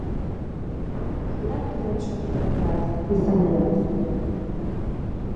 Lau kementsu horietako bat izan nahi al duzu?